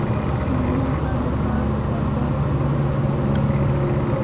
د میرمنو کار د کار بازار تنوع لوړوي.